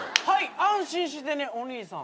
安心してねお兄さん。